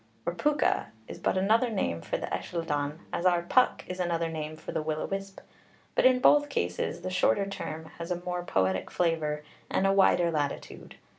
Pwca, or Pooka, is but another name for the Ellylldan, as our Puck is another name for the Will o' wisp; but in both cases the shorter term has a more poetic flavour and a wider latitude.